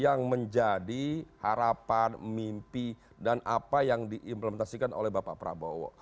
yang menjadi harapan mimpi dan apa yang diimplementasikan oleh bapak prabowo